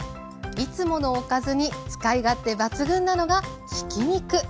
いつものおかずに使い勝手抜群なのがひき肉。